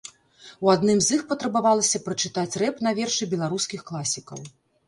У адным з іх патрабавалася прачытаць рэп на вершы беларускіх класікаў.